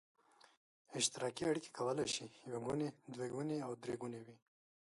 اشتراکي اړیکه کولای شي یو ګونې، دوه ګونې او درې ګونې وي.